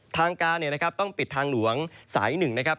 ทางการต้องปิดทางหลวงสายหนึ่งนะครับ